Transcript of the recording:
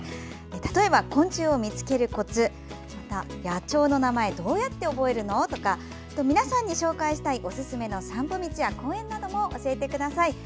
例えば、昆虫を見つけるコツや野鳥の名前はどうやったら覚えるの？とか他にも皆さんに紹介したいおすすめの散歩道や公園なども教えてください。